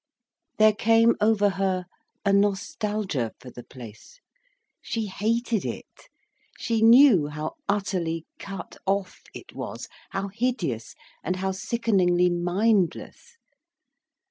There came over her a nostalgia for the place. She hated it, she knew how utterly cut off it was, how hideous and how sickeningly mindless.